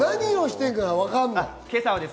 何をしてるかわかんない。